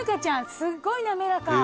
すごい滑らか！